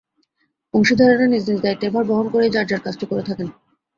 অংশীদারেরা নিজ নিজ দায়িত্বের ভার বহন করেই যাঁর যাঁর কাজটি করে থাকেন।